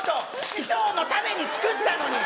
師匠のために作ったのに。